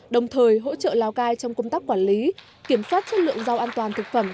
đồng thời hỗ trợ lào cai trong công tác quản lý kiểm soát chất lượng rau an toàn thực phẩm